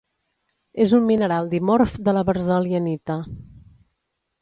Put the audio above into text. És un mineral dimorf de la berzelianita.